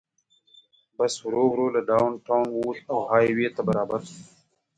بس ورو ورو له ډاون ټاون ووت او های وې ته برابر شو.